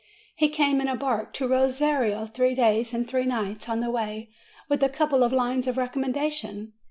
He came in a bark to Ros ario, three days and three nights on the way, with a couple of lines of recommendation.